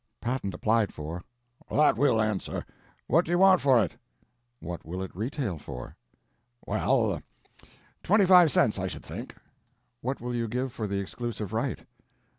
"Patent applied for." "That will answer. What do you want for it?" "What will it retail for?" "Well, twenty five cents, I should think." "What will you give for the exclusive right?"